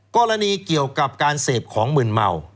กรณีเกี่ยวกับการเสพของมืนเมา